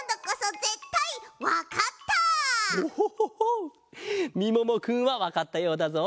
オホホホみももくんはわかったようだぞ。